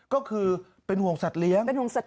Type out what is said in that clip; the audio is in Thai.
ก็คือเป็นห่วงสัตว์เลี้ยง